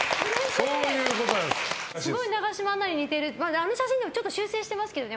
あの写真でもちょっと修正してますけどね